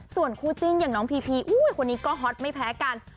ส่วนคู่จิ้นอย่างน้องพีพีอุ้ยคนนี้ก็ฮอตไม่แพ้กัน